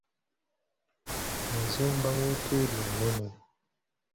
Yazimba wooteeri ennene.